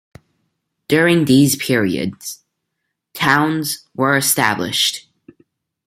During these period, towns were established.